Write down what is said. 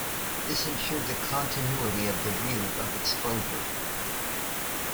This ensured the continuity of the view of exposure.